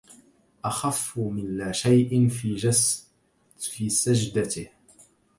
أخف من لا شيء في سجدته